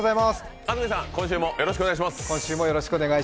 安住さん、今週もよろしくお願いします！